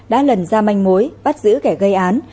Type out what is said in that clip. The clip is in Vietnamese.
đã lần ra manh mối bắt giữ kẻ gây án